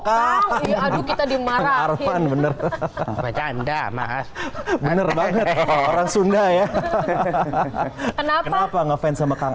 kakak aduh kita dimarahin bener bener orang sunda ya kenapa ngefans sama kang